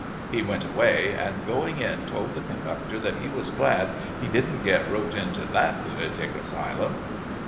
He went away, and going in told the conductor that he was glad he didn't get roped into that lunatic asylum.